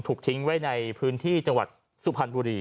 ถูกทิ้งไว้ในพื้นที่จังหวัดสุพรรณบุรี